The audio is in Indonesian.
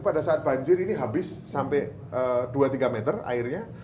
pada saat banjir ini habis sampai dua tiga meter airnya